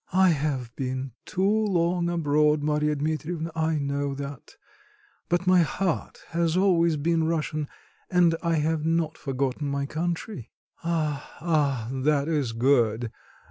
"I have been too long abroad, Marya Dmitrievna, I know that; but my heart has always been Russian, and I have not forgotten my country." "Ah, ah; that is good.